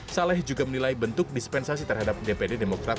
saleh juga menilai bentuk dispensasi terhadap dpd demokrat